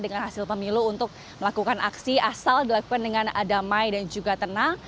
dan hasil pemilu untuk melakukan aksi asal dilakukan dengan adamai dan juga tenang